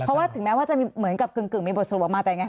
เพราะว่าถึงแม้จะเหมือนกับกึ่งมีบทศมประมาณแบบนี้